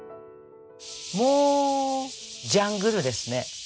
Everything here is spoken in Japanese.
もうジャングルですね。